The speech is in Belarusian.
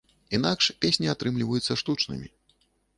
Інакш песні атрымліваюцца штучнымі.